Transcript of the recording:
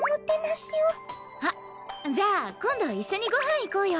あっじゃあ今度一緒にご飯行こうよ！